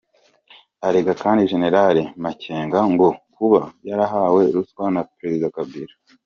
Arega kandi General Makenga ngo kuba yarahawe ruswa na Perezida Kabila.